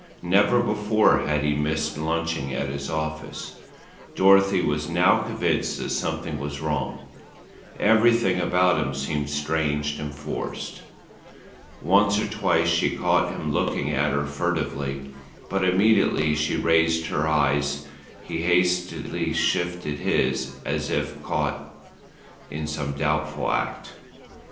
Never before had he missed lunching at his office. Dorothy was now convinced that something was wrong. Everything about him seemed strange and forced. Once or twice she caught him looking at her furtively; but immediately she raised her eyes, he hastily shifted his, as if caught in some doubtful act.